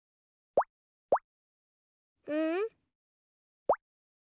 うん？